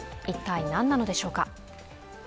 一体何なのでしょうか。